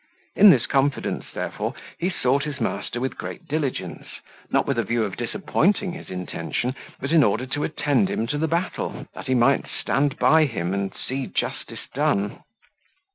In this confidence, therefore, he sought his master with great diligence, not with a view of disappointing his intention, but in order to attend him to the battle, that he might stand by him, and see justice done.